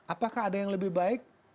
apakah ada yang lebih baik